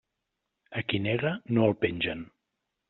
A qui nega, no el pengen.